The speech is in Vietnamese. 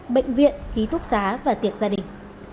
bệnh viện ký túc xá và tiệc gia đình